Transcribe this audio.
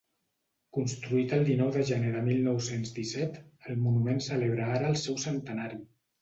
Construït el dinou de gener de mil nou-cents disset, el monument celebra ara el seu centenari.